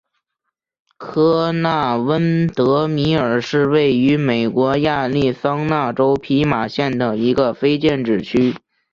科纳温德米尔是位于美国亚利桑那州皮马县的一个非建制地区。